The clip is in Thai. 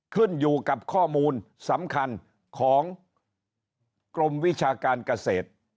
ขึ้นอยู่กับข้อมูลสำคัญของกรมวิชาการเกษตร